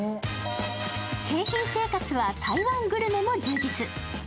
誠品生活は台湾グルメも充実。